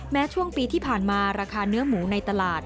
ช่วงปีที่ผ่านมาราคาเนื้อหมูในตลาด